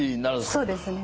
そうですね。